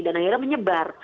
dan akhirnya menyebar